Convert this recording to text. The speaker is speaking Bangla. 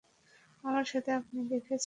আমার সাথে আপনি দেখেছেন?